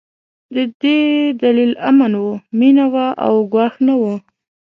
د دې دلیل امن و، مينه وه او ګواښ نه و.